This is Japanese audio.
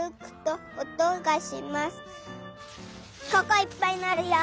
ここいっぱいなるよ。